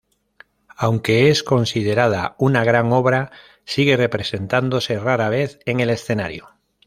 Aunque es considerada una gran obra sigue representándose rara vez en el escenario.